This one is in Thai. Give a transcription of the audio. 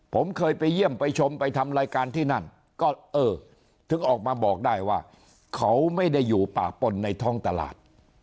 ผมเคยไปเยี่ยมไปชมไปทำรายการที่นั่นก็เออถึงออกมาบอกได้ว่าเขาไม่ได้อยู่ปากปนในท้องตลาด